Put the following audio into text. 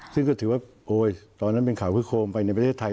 ซึ่งก็ถือว่าโอ้ยตอนนั้นเป็นข่าวคึกโคมไปในประเทศไทย